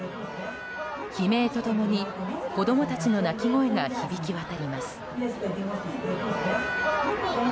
悲鳴と共に子供たちの泣き声が響き渡ります。